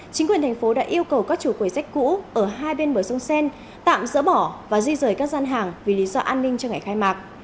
chính quyền thành phố đã yêu cầu các chủ quầy sách cũ ở hai bên bờ sông sen tạm dỡ bỏ và di rời các gian hàng vì lý do an ninh cho ngày khai mạc